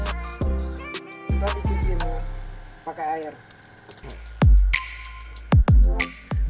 jangkrik yang sudah berusia di atas empat puluh hari